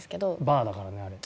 バーだからねあれ。